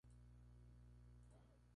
Papel de color azulado.